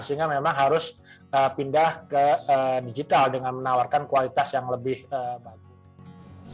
sehingga memang harus pindah ke digital dengan menawarkan kualitas yang lebih bagus